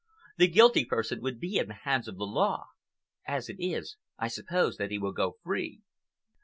The guilty person would be in the hands of the law. As it is, I suppose that he will go free."